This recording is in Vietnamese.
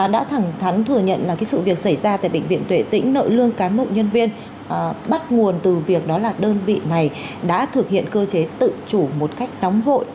đã thẳng thắn thừa nhận là cái sự việc xảy ra tại bệnh viện tuệ tĩnh nợ lương cán mộ nhân viên bắt nguồn từ việc đó là đơn vị này đã thực hiện cơ chế tự chủ một cách nóng hội